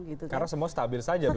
karena semua stabil saja begitu